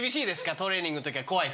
トレーニングの時は怖いですか？